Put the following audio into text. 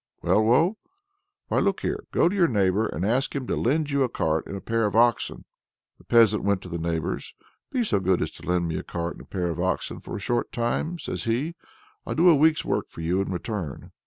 "Well, Woe?" "Why, look here. Go to your neighbor, and ask him to lend you a cart and a pair of oxen." The peasant went to the neighbor's. "Be so good as to lend me a cart and a pair of oxen for a short time," says he. "I'll do a week's work for you in return."